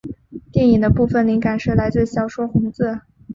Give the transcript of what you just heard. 电影的部份灵感是来自小说红字。